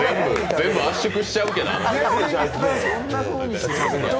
全部圧縮しちゃうけど。